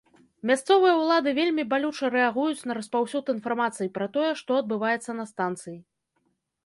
Мясцовыя ўлады вельмі балюча рэагуюць на распаўсюд інфармацыі пра тое, што адбываецца на станцыі.